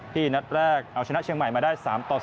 ที่นัดแรกเอาชนะเชียงใหม่มาได้๓๒